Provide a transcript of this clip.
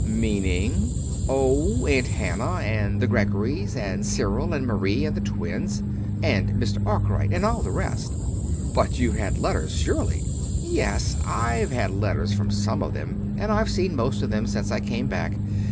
"Meaning " "Oh, Aunt Hannah, and the Greggorys, and Cyril and Marie, and the twins, and Mr. Arkwright, and all the rest." "But you've had letters, surely." "Yes, I've had letters from some of them, and I've seen most of them since I came back.